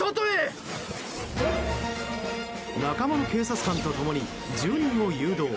仲間の警察官と共に住人を誘導。